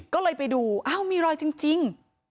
ก็เลยไปดูอ้าวมีรอยจริง